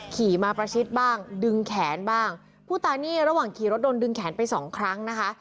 ขี่มาประชิดบ้างดึงแขนบ้างผู้ตายนี่ระหว่างขี่รถโดนดึงแขนไปสองครั้งนะคะ